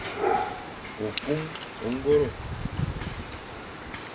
Okum ongoro.